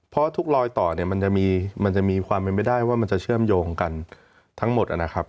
เพราะทุกรอยต่อเนี่ยมันจะมีความเป็นไปได้ว่ามันจะเชื่อมโยงกันทั้งหมดนะครับ